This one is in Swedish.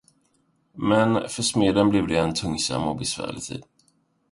Men för smeden blev det en tungsam och besvärlig tid.